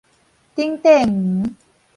頂塊黃